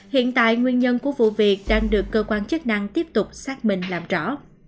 hiện tại nguyên nhân của vụ việc đang được cơ quan chức năng tiếp tục xác minh làm rõ